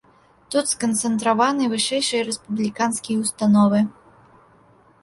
Тут сканцэнтраваны вышэйшыя рэспубліканскія ўстановы.